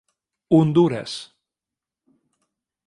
Hondures.